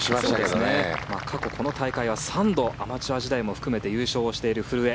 過去、この大会は３度アマチュア時代も含めて優勝している古江。